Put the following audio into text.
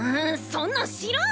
そんなん知らん！